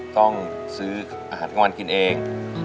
ต้องซื้ออาหารกลางวันกินเอง